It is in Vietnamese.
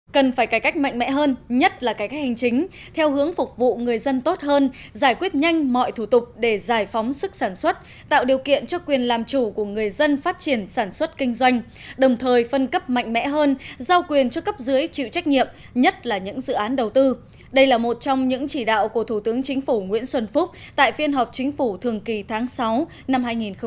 cần phải cải cách mạnh mẽ hơn nhất là cải cách hành chính theo hướng phục vụ người dân tốt hơn giải quyết nhanh mọi thủ tục để giải phóng sức sản xuất tạo điều kiện cho quyền làm chủ của người dân phát triển sản xuất kinh doanh đồng thời phân cấp mạnh mẽ hơn giao quyền cho cấp dưới chịu trách nhiệm nhất là những dự án đầu tư đây là một trong những chỉ đạo của thủ tướng chính phủ nguyễn xuân phúc tại phiên họp chính phủ thường kỳ tháng sáu năm hai nghìn một mươi bảy